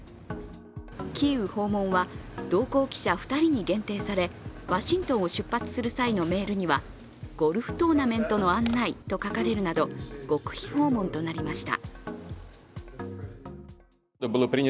キーウ訪問は同行記者２人に限定されワシントンを出発する際のメールにはゴルフトーナメントの案内と書かれるなど極秘訪問となりました。